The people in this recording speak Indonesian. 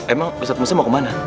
emang ustaz mesti mau kemana